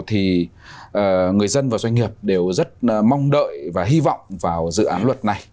thì người dân và doanh nghiệp đều rất mong đợi và hy vọng vào dự án luật này